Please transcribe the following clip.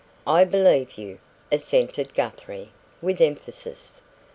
"I believe you," assented Guthrie, with emphasis.